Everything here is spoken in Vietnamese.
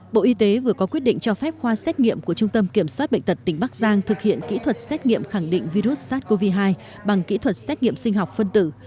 bộ y tế vừa có quyết định cho phép khoa xét nghiệm của trung tâm kiểm soát bệnh tật tỉnh bắc giang thực hiện kỹ thuật xét nghiệm khẳng định virus sars cov hai bằng kỹ thuật xét nghiệm sinh học phân tử